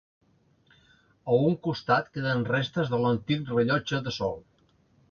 A un costat queden restes de l'antic rellotge de sol.